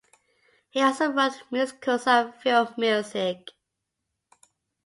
He also wrote musicals and film music.